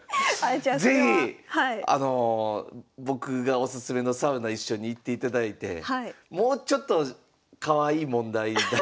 是非僕がおすすめのサウナ一緒に行っていただいてもうちょっとかわいい問題出していただきたいですね。